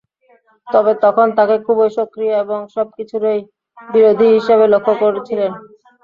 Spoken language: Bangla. তবে তখন তাঁকে খুবই সক্রিয় এবং সবকিছুরই বিরোধী হিসেবে লক্ষ করেছিলাম।